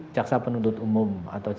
jaksa penuntut umum